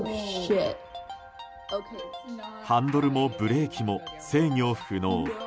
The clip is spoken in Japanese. ハンドルもブレーキも制御不能。